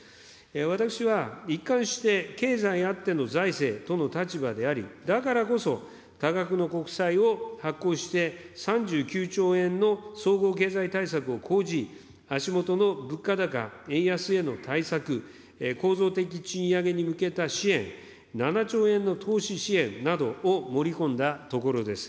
私は一貫して経済あっての財政との立場であり、だからこそ多額の国債を発行して、３９兆円の総合経済対策を講じ、足下の物価高、円安への対策、構造的賃上げに向けた支援、７兆円の投資支援などを盛り込んだところです。